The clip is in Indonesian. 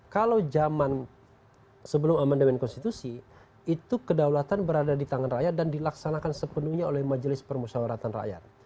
kalau zaman sebelum amandemen konstitusi itu kedaulatan berada di tangan rakyat dan dilaksanakan sepenuhnya oleh majelis permusyawaratan rakyat